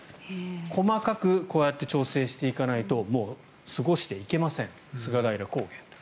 細かくこうやって調整していかないともう過ごしていけません菅平高原。